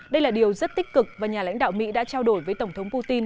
đây là điều rất tích cực và nhà lãnh đạo mỹ đã trao đổi với tổng thống putin